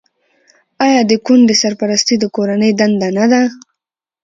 آیا د کونډې سرپرستي د کورنۍ دنده نه ده؟